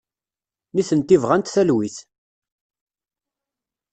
Nitenti bɣant talwit.